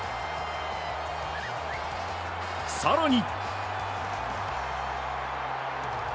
更に。